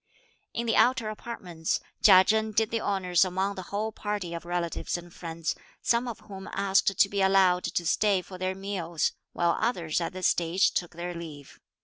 In the outer apartments, Chia Chen did the honours among the whole party of relatives and friends, some of whom asked to be allowed to stay for their meals, while others at this stage took their leave.